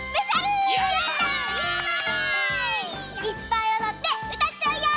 いっぱいおどってうたっちゃうよ！